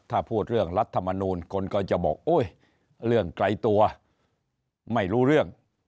ถ้าพูดเรื่องรัฐมนูลคนก็จะบอกโอ๊ยเรื่องไกลตัวไม่รู้เรื่อง